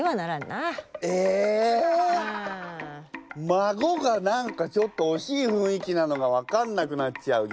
孫が何かちょっと惜しい雰囲気なのが分かんなくなっちゃう逆に。